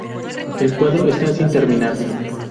El cuadro está sin terminar.